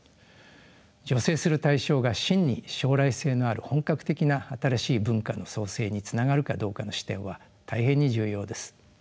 助成する対象が真に将来性のある本格的な新しい文化の創成につながるかどうかの視点は大変に重要です。